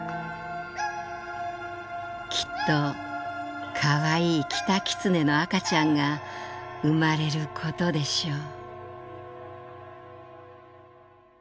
「きっとかわいいキタキツネの赤ちゃんが生まれることでしょう」。